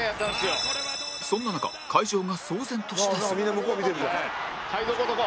そんな中会場が騒然としだす